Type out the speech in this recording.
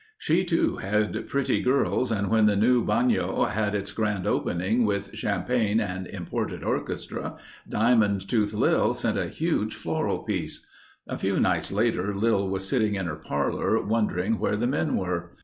She too had pretty girls and when the new bagnio had its grand opening, with champagne and imported orchestra, Diamond Tooth Lil sent a huge floral piece. A few nights later Lil was sitting in her parlor wondering where the men were.